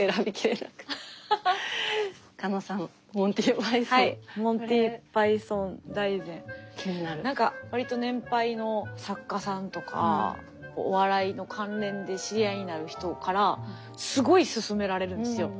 なんかわりと年配の作家さんとかお笑いの関連で知り合いになる人からすごいすすめられるんですよ。